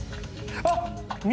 あっ！